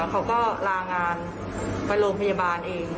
เขาก็ลางานไปโรงพยาบาลเอง